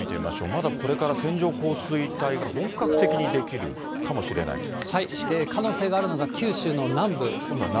まだこれから線状降水帯が本格的可能性があるのが九州の南部。